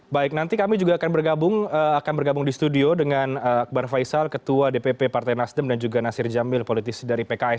baik nanti kami juga akan bergabung akan bergabung di studio dengan akbar faisal ketua dpp partai nasdem dan juga nasir jamil politisi dari pks